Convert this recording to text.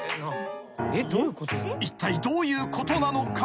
［いったいどういうことなのか？］